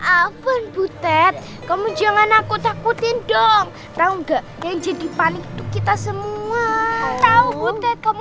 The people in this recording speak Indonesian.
apa butet kamu jangan aku takutin dong tahu enggak yang jadi paling kita semua tahu butet kamu